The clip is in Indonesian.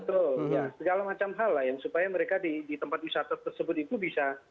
betul ya segala macam hal lain supaya mereka di tempat wisata tersebut itu bisa